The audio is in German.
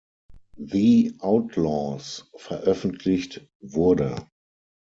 The Outlaws" veröffentlicht wurde.